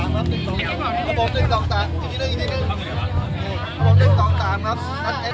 มันเลยไม่เห็นเพราะการค้นพ่อวุตคางเลย